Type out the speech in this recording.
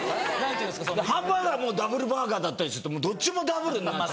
ハンバーガーもダブルバーガーだったりするとどっちもダブルになっちゃう。